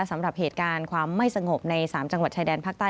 สำหรับเหตุการณ์ความไม่สงบใน๓จังหวัดชายแดนภาคใต้